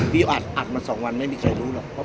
พี่อัดมาสองวันไม่มีใครรู้หรอก